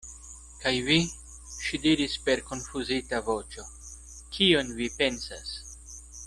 Kaj vi, ŝi diris per konfuzita voĉo, kion vi pensas?